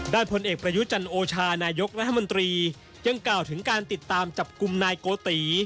ผลเอกประยุจันโอชานายกรัฐมนตรียังกล่าวถึงการติดตามจับกลุ่มนายโกติ